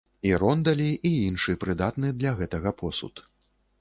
І рондалі, і іншы прыдатны для гэтага посуд.